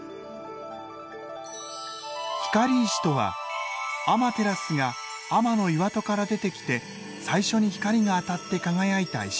光石とはアマテラスが天岩戸から出てきて最初に光が当たって輝いた石のこと。